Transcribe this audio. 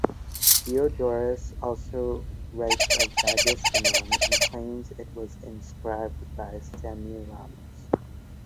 Diodorus also writes of "Bagistanon" and claims it was inscribed by Semiramis.